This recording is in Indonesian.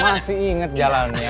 masih inget jalannya